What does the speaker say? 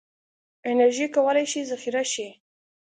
انرژي کولی شي ذخیره شي.